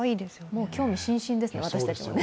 もう興味津々ですね、私たちも。